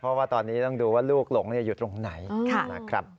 เพราะว่าตอนนี้ต้องดูว่าลูกหลงอยู่ตรงไหนนะครับ